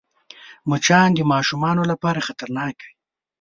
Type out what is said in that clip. مچان د ماشومانو لپاره خطرناک وي